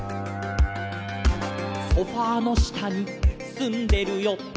「ソファの下にすんでるよ」